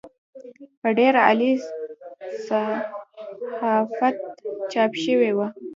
په ډېر عالي صحافت چاپ شوې وه.